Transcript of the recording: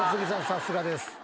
さすがです。